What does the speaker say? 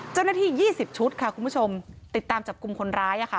เจ้าหน้าที่๒๐ชุดค่ะคุณผู้ชมติดตามจับกลุ่มคนร้าย